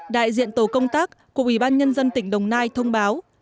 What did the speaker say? đại diện tổ công tác của ủy ban nhân dân tỉnh đồng nai thông báo